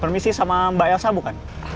permisi sama mbak elsa bukan